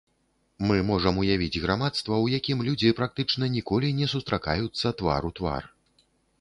Мы можам уявіць грамадства, у якім людзі практычна ніколі не сустракаюцца твар у твар.